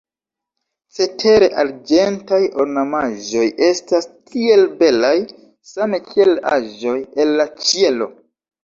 Cetere arĝentaj ornamaĵoj estas tiel belaj, same kiel aĵoj el la ĉielo.